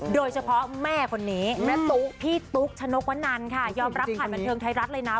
โดยเฉพาะแม่คนนี้แม่ตุ๊กพี่ตุ๊กชนกวนันค่ะยอมรับผ่านบันเทิงไทยรัฐเลยนะ